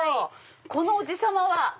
このおじさまは？